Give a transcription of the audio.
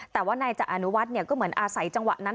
แต่ว่านายจะอนุวัฒน์ก็เหมือนอาศัยจังหวะนั้น